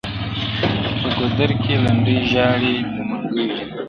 • په ګودر کي لنډۍ ژاړي د منګیو جنازې دي -